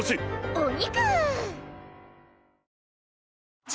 お肉！